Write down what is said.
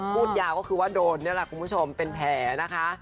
พูดยาวก็คือว่าโดนนี่แหละคุณผู้ชมเป็นแผลนะคะ